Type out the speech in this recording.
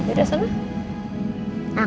sini deh sana